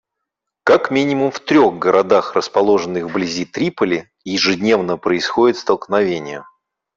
Как минимум в трех городах, расположенных вблизи Триполи, ежедневно происходят столкновения.